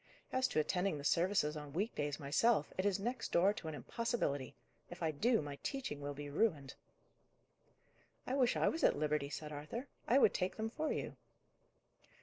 As to attending the services on week days myself, it is next door to an impossibility. If I do, my teaching will be ruined." "I wish I was at liberty," said Arthur; "I would take them for you."